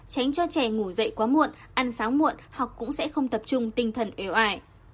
tránh cho trẻ ngủ dậy quá muộn ăn sáng muộn học cũng sẽ không tập trung tinh thần ếo ải